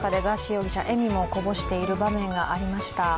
容疑者笑みもこぼしている場面がありました。